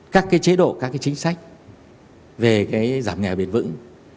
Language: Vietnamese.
các chế độ các chính sách về giảm nghèo bền vững